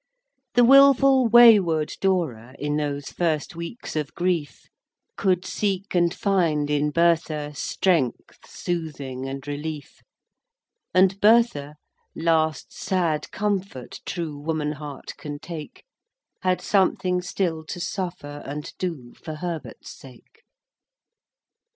The wilful, wayward Dora, In those first weeks of grief, Could seek and find in Bertha Strength, soothing, and relief. And Bertha—last sad comfort True woman heart can take— Had something still to suffer And do for Herbert's sake.